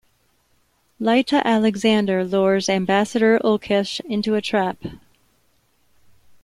Lyta Alexander lures Ambassador Ulkesh into a trap.